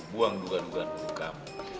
buang duga duga untuk kamu